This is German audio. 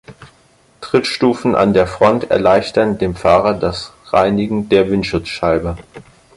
Trittstufen an der Front erleichtern dem Fahrer das Reinigen der Windschutzscheibe.